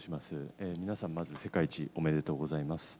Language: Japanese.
皆さん、まず世界一、おめでとうございます。